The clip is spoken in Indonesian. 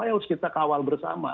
kita harus kawal bersama